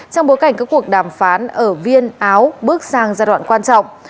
trong bối cảnh các cuộc đàm phán ở viên áo bước sang giai đoạn quan trọng